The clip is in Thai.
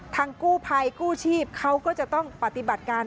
ทางกู้ภัยกู้ชีพเขาก็จะต้องปฏิบัติการ